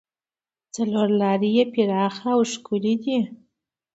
څلور لارې یې پراخه او ښکلې دي.